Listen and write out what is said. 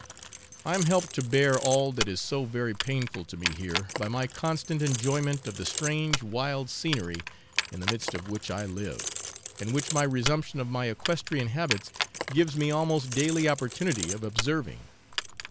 I am helped to bear all that is so very painful to me here by my constant enjoyment of the strange wild scenery in the midst of which I live, and which my resumption of my equestrian habits gives me almost daily opportunity of observing.